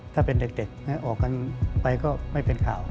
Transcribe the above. ถ้าเป็นเด็กให้ออกกันไปก็ไม่เป็นข่าว